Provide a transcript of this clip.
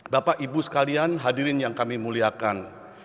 bapak ibu sekalian hadirin yang kami muliakan